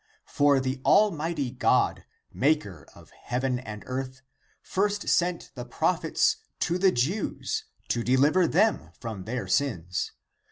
9. For the almighty God,i^ maker of heaven and earth, first sent the prophets to the Jews to deliver them from their sins.